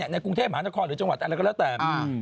ในกรุงเทพมหานครหรือจังหวัดอะไรก็แล้วแต่